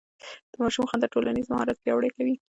د ماشوم خندا ټولنيز مهارت پياوړی کوي.